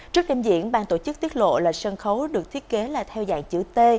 trước đêm diễn bang tổ chức tiết lộ là sân khấu được thiết kế là theo dạng chữ t